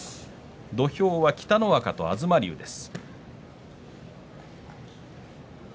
土俵は北の若と東龍です。